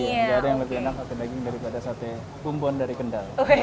tidak ada yang lebih enak sate daging daripada sate bumbon dari kendal